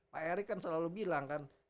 pak erick kan selalu bilang kan